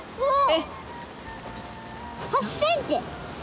８ｃｍ！